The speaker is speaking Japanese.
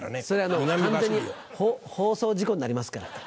それは完全に放送事故になりますから。